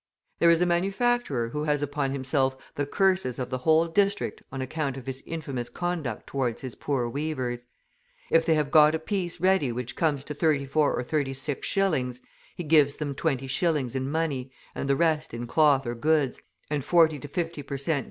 There is a manufacturer who has upon himself the curses of the whole district on account of his infamous conduct towards his poor weavers; if they have got a piece ready which comes to 34 or 36 shillings, he gives them 20s. in money and the rest in cloth or goods, and 40 to 50 per cent.